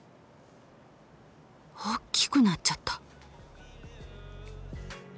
大きくなっちゃった。